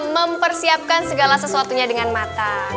mempersiapkan segala sesuatunya dengan matang